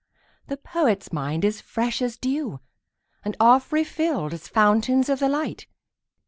The poet's mind is fresh as dew, And oft refilled as fountains of the light.